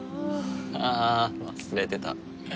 あ忘れてた